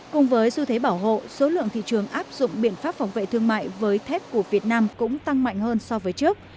cùng với du thế bảo hộ số lượng thị trường áp dụng biện pháp phòng vệ thương mại với thép của việt nam cũng tăng mạnh hơn so với trước